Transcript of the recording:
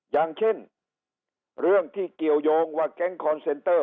อย่างเช่นเรื่องที่เกี่ยวยงว่าแก๊งคอนเซนเตอร์